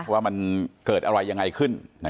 ว่ามันเกิดอะไรยังไงขึ้น